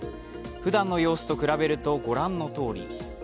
ふだんの様子と比べると御覧のとおり。